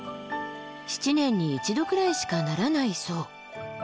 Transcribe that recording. ７年に一度くらいしかならないそう。